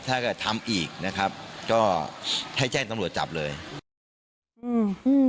ถ้าเกิดทำอีกนะครับก็ให้แจ้งตำรวจจับเลยอืม